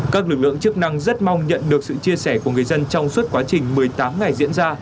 các lực lượng chức năng rất mong nhận được sự chia sẻ của người dân trong suốt quá trình một mươi tám ngày diễn ra